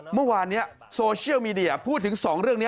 เมื่อวานนี้โซเชียลมีเดียพูดถึง๒เรื่องนี้